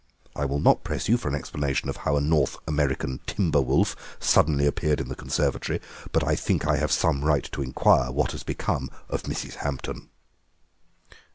I will not press you for an explanation of how a North American timber wolf suddenly appeared in the conservatory, but I think I have some right to inquire what has become of Mrs. Hampton."